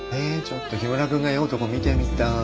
ちょっと木村君が酔うとこ見てみたい。